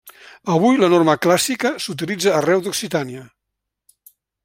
Avui la norma clàssica s'utilitza arreu d'Occitània.